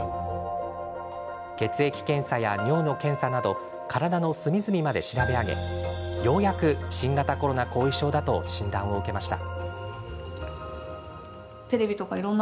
血液検査や尿の検査など体の隅々まで調べ上げようやく新型コロナ後遺症だと診断を受けました。